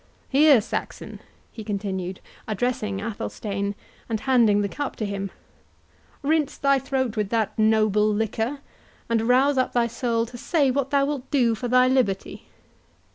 —Here, Saxon," he continued, addressing Athelstane, and handing the cup to him, "rinse thy throat with that noble liquor, and rouse up thy soul to say what thou wilt do for thy liberty."